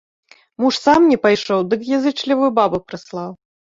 Муж сам не пайшоў, дык язычлівую бабу прыслаў.